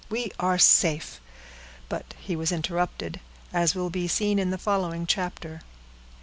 —we are safe!" But he was interrupted, as will be seen in the following chapter.